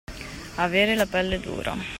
Avere la pelle dura.